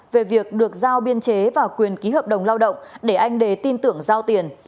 về việc được giao biên chế và quyền ký hợp đồng lao động để anh đề tin tưởng giao tiền